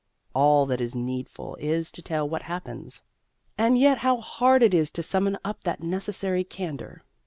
all that is needful is to tell what happens; and yet how hard it is to summon up that necessary candor.